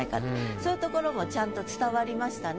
そういうところもちゃんと伝わりましたね。